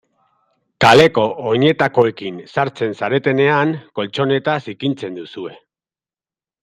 Kaleko oinetakoekin sartzen zaretenean koltxoneta zikintzen duzue.